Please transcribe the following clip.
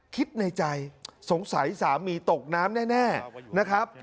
คิดในใจสงสัยสามีตกน้ำแน่นะครับ